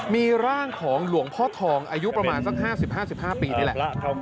มีร่างของหลวงพ่อทองอายุประมาณสัก๕๐๕๕ปีนี่แหละ